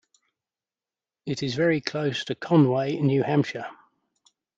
It is very close to Conway, New Hampshire.